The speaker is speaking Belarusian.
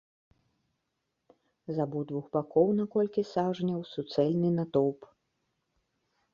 З абодвух бакоў на колькі сажняў суцэльны натоўп.